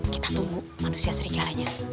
kita tunggu manusia serigalanya